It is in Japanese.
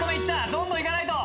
どんどん行かないと。